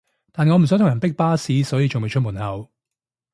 但我唔想同人逼巴士所以仲未出門口